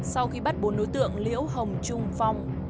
sau khi bắt bốn đối tượng liễu hồng trung phong